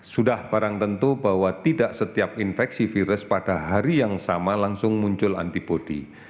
sudah barang tentu bahwa tidak setiap infeksi virus pada hari yang sama langsung muncul antibody